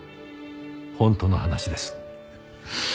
本当の話です。